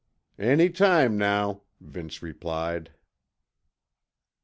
"Any time now," Vince replied.